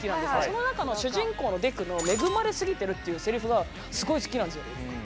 その中の主人公のデクのっていうセリフがすごい好きなんですよ。